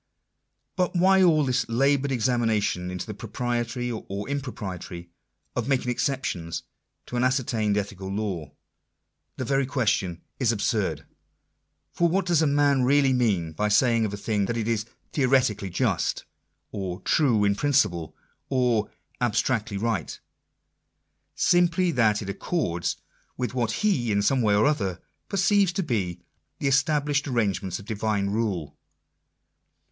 But why all this laboured examination into the propriety, or impropriety, of making exceptions to an ascertained ethical law ? The very question is absurd. For what does a man really mean by saying of a thing that it is " theoretically just," or " true in principle," or " abstractedly right" ? Simply that Digitized by VjOOQIC 50 INTRODUCTION. it accords with what he, in some way or other, perceives to be the established arrangements of Divine rule.